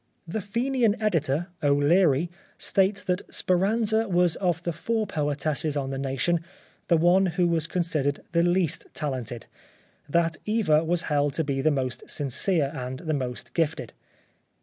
The Fenian editor, O'Leary, states that "Speranza" was of the four poetesses on The Nation, the one who was considered the least talented, that Eva was held to be the most sincere and the most gifted.